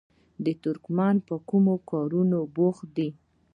ترکمنان په کومو کارونو بوخت دي؟